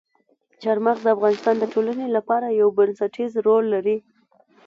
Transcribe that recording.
چار مغز د افغانستان د ټولنې لپاره یو بنسټيز رول لري.